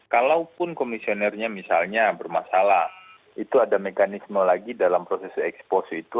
kalaupun komisionernya misalnya bermasalah itu ada mekanisme lagi dalam proses ekspos itu